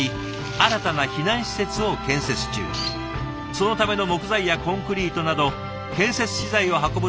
そのための木材やコンクリートなど建設資材を運ぶのが今回のミッション。